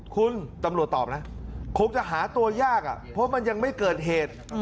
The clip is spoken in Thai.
คุณตำรวจตอบนะคงจะหาตัวยากเพราะมันยังไม่เกิดเหตุ